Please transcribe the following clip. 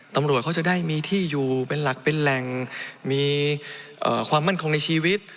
ตำรวจเขาจะได้มีที่อยู่เป็นหลักเป็นแหล่งมีความมั่นคงในชีวิต